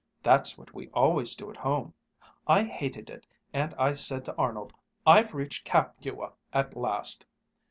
That's what we always do at home. I hated it and I said to Arnold, 'I've reached Capua at last!'